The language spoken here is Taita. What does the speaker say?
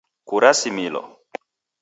Kurasimilo